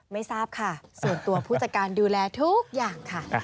ไม่ทราบค่ะส่วนตัวผู้จัดการดูแลทุกอย่างค่ะ